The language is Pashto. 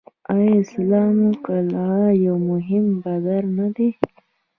آیا اسلام قلعه یو مهم بندر نه دی؟